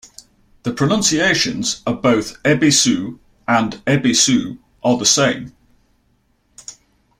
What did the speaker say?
The pronunciations of both "Yebisu" and "Ebisu" are the same.